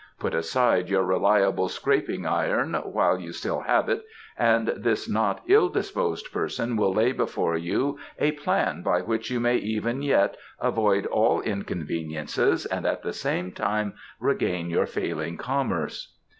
Put aside your reliable scraping iron while you still have it, and this not ill disposed person will lay before you a plan by which you may even yet avoid all inconveniences and at the same time regain your failing commerce."